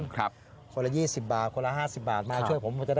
คนละ๒๐บาทคนละ๕๐บาทมาช่วยผม